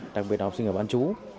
đặc biệt là học sinh ở bán chú